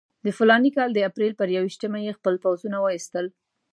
د فلاني کال د اپرېل پر یوویشتمه یې خپل پوځونه وایستل.